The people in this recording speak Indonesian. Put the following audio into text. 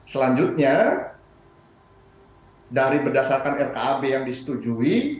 selanjutnya dari berdasarkan skb yang disetujui